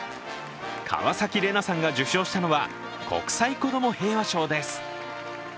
川崎レナさんが受賞したのは国際子ども平和賞です。